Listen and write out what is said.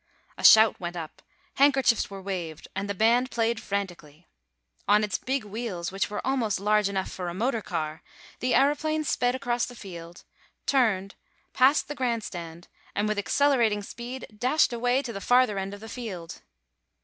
A shout went up; handkerchiefs were waved and the band played frantically. On its big wheels, which were almost large enough for a motor car, the aëroplane sped across the field, turned, passed the grand stand, and with accelerating speed dashed away to the farther end of the field.